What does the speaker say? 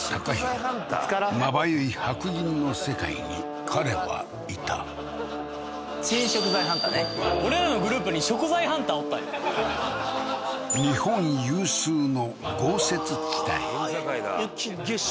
まばゆい白銀の世界に彼はいた珍食材ハンターね俺らのグループに食材ハンターおったんや日本有数の豪雪地帯県境だ雪化粧